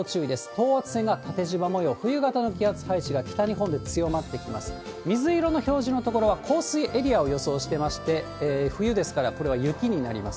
等圧線が縦じま模様、冬型の気圧配置が北日本で強まってきます。